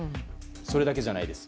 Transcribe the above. それだけじゃないです。